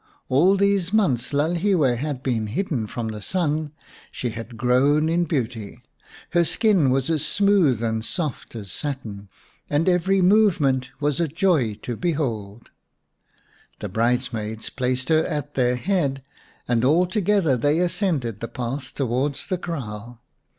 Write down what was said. All these months Lalhiwe had been hidden from the sun she had grown in beauty, her skin was as smooth and soft as satin, and every movement was a joy to behold. The bridesmaids placed her at their head, and all together they ascended the path towards the kraal.